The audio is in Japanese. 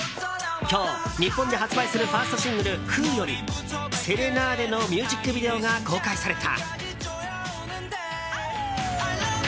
今日、日本で発売するファーストシングル「ＷＨＯ！」より「Ｓｅｒｅｎａｄｅ」のミュージックビデオが公開された。